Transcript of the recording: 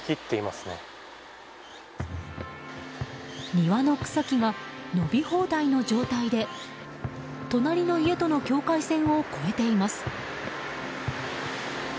庭の草木が伸び放題の状態で隣の家との境界線を越えています。